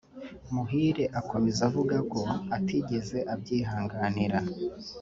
Muhire akomeza avuga ko atigeze abyihanganira